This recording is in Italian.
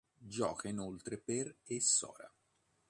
Gioca inoltre per e Sora.